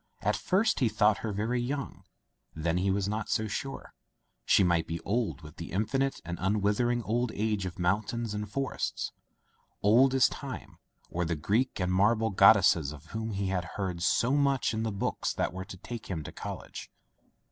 At first he thought her very young, then he was not so sure. She might be old with the infinite and unwithering old age of mountains and forests — old as Time or the [ 286 ] Digitized by LjOOQ IC Son of the Woods Greek and marble goddesses of whom he had heard so much in the books that were to take him to college.